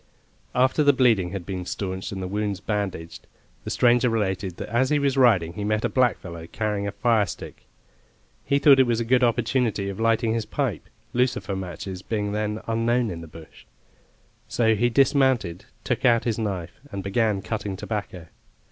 After the bleeding had been stanched and the wounds bandaged, the stranger related that as he was riding he met a blackfellow carrying a fire stick. He thought it was a good opportunity of lighting his pipe, lucifer matches being then unknown in the bush; so he dismounted, took out his knife, and began cutting tobacco.